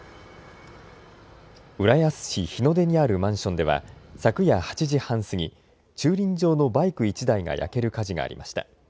浦安市日の出にあるマンションでは昨夜８時半過ぎ、駐輪場のバイク１台が焼ける火事がありました。